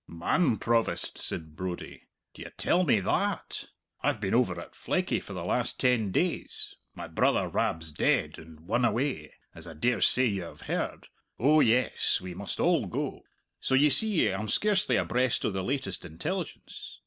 "Man, Provost," said Brodie, "d'ye tell me tha at? I've been over at Fleckie for the last ten days my brother Rab's dead and won away, as I dare say you have heard oh yes, we must all go so, ye see, I'm scarcely abreast o' the latest intelligence.